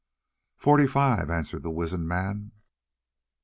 "Forty five," answered the wizened man.